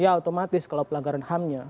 ya otomatis kalau pelanggaran hamnya